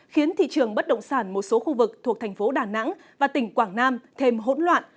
khiến thị trường bất động sản một số khu vực thuộc thành phố đà nẵng và tỉnh quảng nam thêm hỗn loạn